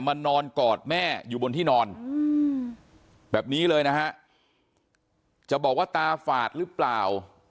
นอนกอดแม่อยู่บนที่นอนแบบนี้เลยนะฮะจะบอกว่าตาฝาดหรือเปล่า